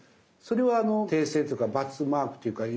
それは訂正というかバツマークというか。